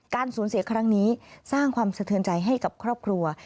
สูญเสียครั้งนี้สร้างความสะเทือนใจให้กับครอบครัว